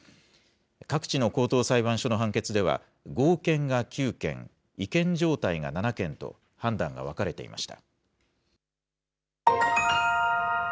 各地の高等裁判所の判決では合憲が９件、違憲状態が７件と、判断が分かれていました。